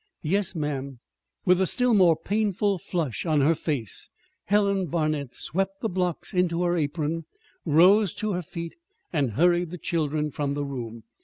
"Yes, ma'am." With a still more painful flush on her face Helen Barnet swept the blocks into her apron, rose to her feet, and hurried the children from the room.